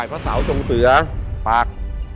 ไหว้พระสาวจงเสือปาก